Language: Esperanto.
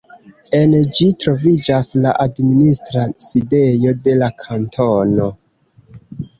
En ĝi troviĝas la administra sidejo de la kantono.